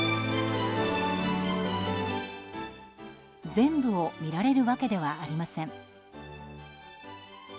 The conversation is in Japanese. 全部を見られるわけではありません。